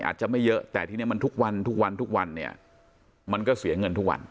อาจจะไม่เยอะแต่ทีนี้ทุกวันมันก็เสียเงินทุกวัน